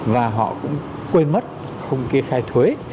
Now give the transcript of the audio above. và họ cũng quên mất không kê khai thuế